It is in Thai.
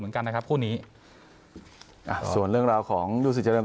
เหมือนกันนะครับคู่นี้อ่ะส่วนเรื่องราวของลูกศิษเจริญ